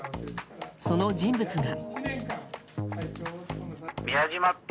その人物が。